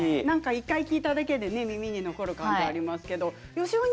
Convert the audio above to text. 一回聴いただけで耳に残る感じがありますけどよし